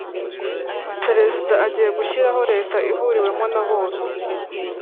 Perezida agiye gushyiraho leta ihuriwemo na bose.